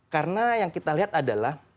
karena yang kita lihat adalah